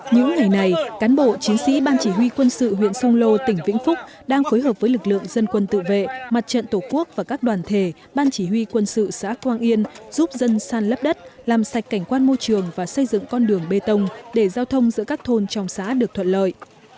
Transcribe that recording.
những ngày này cán bộ chiến sĩ ban chỉ huy quân sự huyện sông lô tỉnh vĩnh phúc đang phối hợp với lực lượng dân quân tự vệ mặt trận tổ quốc và các đoàn thể ban chỉ huy quân sự xã quang yên giúp dân san lấp đất làm sạch cảnh quan môi trường và xây dựng con đường bê tông để giao thông giữa các thôn trong xã được thuận lợi